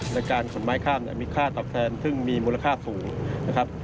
ในการขนไม้ข้ามเนี่ยมีค่าตอบแทนซึ่งมีมูลค่าสูงนะครับ